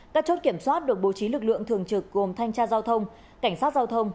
các chốt kiểm soát được bố trí lực lượng thường trực gồm thanh tra giao thông cảnh sát giao thông